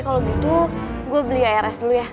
kalo gitu gue beli ars dulu ya